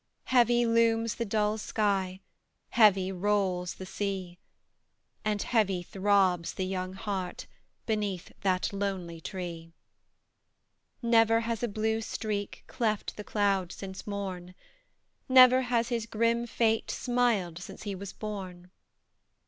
Heavy looms the dull sky, Heavy rolls the sea; And heavy throbs the young heart Beneath that lonely tree. Never has a blue streak Cleft the clouds since morn; Never has his grim fate Smiled since he was born.